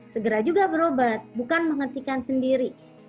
segera juga berobat bukan menghentikan sendiri